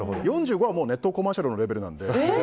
４５はもう熱湯コマーシャルのレベルなんで。